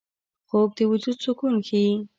خوب د وجود سکون ښيي